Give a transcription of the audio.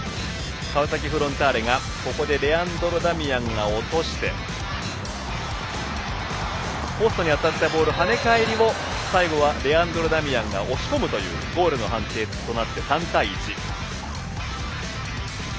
川崎フロンターレがここでレアンドロ・ダミアンが落としてポストに当たったボールの跳ね返りも最後はレアンドロ・ダミアンが押し込むというゴールの判定となって３対１。